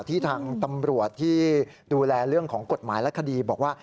ที่ทางตำรวจที่ดูแลเรื่องของกฎหมายและคดีบอกว่า